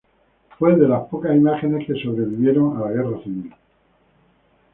Fue de las pocas imágenes que sobrevivieron a la Guerra Civil.